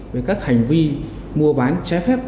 với các hành vi mua bán trái phép